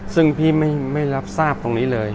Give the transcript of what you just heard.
ซึ่งพี่ไม่รับทราบตรงนี้เลย